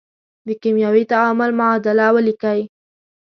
د کیمیاوي تعامل معادله ولیکئ.